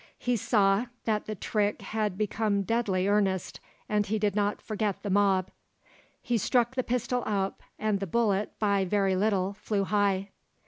He saw that the trick had become deadly earnest, and he did not forget the mob. He struck the pistol up, and the bullet, by a very little, flew high.